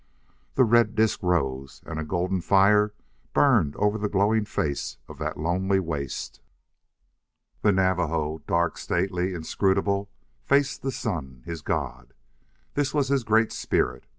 The red disk rose, and a golden fire burned over the glowing face of that lonely waste. The Navajo, dark, stately, inscrutable, faced the sun his god. This was his Great Spirit.